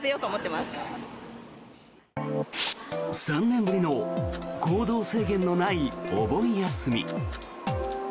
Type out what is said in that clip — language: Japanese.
３年ぶりの行動制限のないお盆休み。